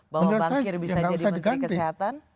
bahwa bangkir bisa jadi menteri kesehatan